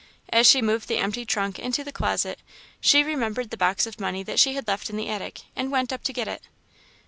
As she moved the empty trunk into the closet, she remembered the box of money that she had left in the attic, and went up to get it.